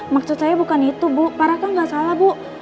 maksud saya bukan itu bu pak raka gak salah bu